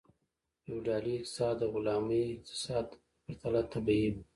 فیوډالي اقتصاد د غلامي اقتصاد په پرتله طبیعي و.